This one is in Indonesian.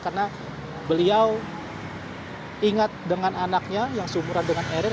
karena beliau ingat dengan anaknya yang seumuran dengan ariel